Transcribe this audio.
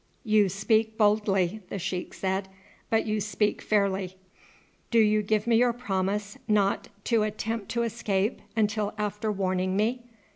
"You speak boldly," the sheik said, "but you speak fairly. Do you give me your promise not to attempt to escape until after warning me?"